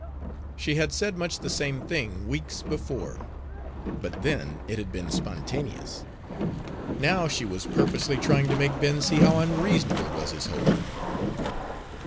She had said much the same thing weeks before; but then it had been spontaneous. Now she was purposely trying to make Ben see how unreasonable was his hope.